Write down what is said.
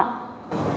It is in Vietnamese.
ừ không chị